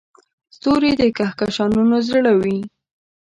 ستوري د کهکشانونو زړه دي.